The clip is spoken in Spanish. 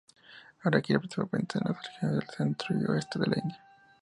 Ahora cría principalmente en las regiones del centro y oeste de la India.